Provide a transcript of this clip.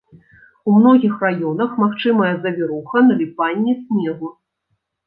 У многіх раёнах магчымая завіруха, наліпанне снегу.